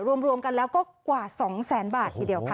รวมกันแล้วก็กว่า๒แสนบาททีเดียวค่ะ